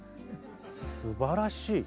すばらしい！